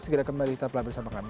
segera kembali tetap lagi bersama kami